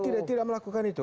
kuba tidak melakukan itu